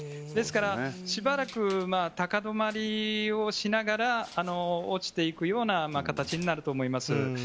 ですからしばらく高止まりをしながら落ちていくような形になると思います。